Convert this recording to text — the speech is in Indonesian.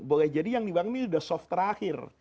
boleh jadi yang di belakang ini udah soft terakhir